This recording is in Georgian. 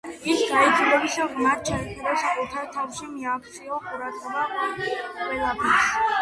ის გაიძულებს ღრმად ჩაიხედო საკუთარ თავში, მიაქციო ყურადღება ყველაფერს.